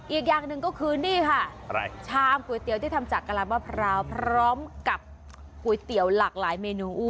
อีกอย่างหนึ่งก็คือนี่ค่ะชามก๋วยเตี๋ยวที่ทำจากกะลามะพร้าวพร้อมกับก๋วยเตี๋ยวหลากหลายเมนู